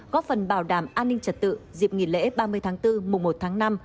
góp phần bảo đảm an ninh trật tự dịp nghỉ lễ ba mươi tháng bốn mùa một tháng năm